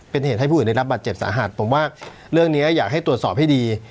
เป็นเหตุให้ผู้อื่นได้รับบัตรเจ็บสาหัสผมว่าเรื่องนี้อยากให้ตรวจสอบให้ดี